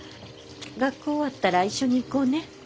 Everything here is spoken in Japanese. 学校終わったら一緒に行こうね。